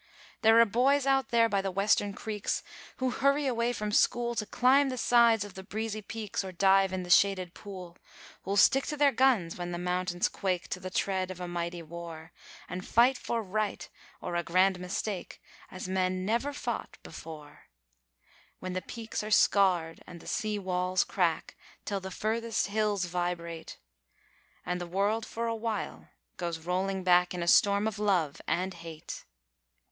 ..... There are boys out there by the western creeks, who hurry away from school To climb the sides of the breezy peaks or dive in the shaded pool, Who'll stick to their guns when the mountains quake to the tread of a mighty war, And fight for Right or a Grand Mistake as men never fought before; When the peaks are scarred and the sea walls crack till the furthest hills vibrate, And the world for a while goes rolling back in a storm of love and hate.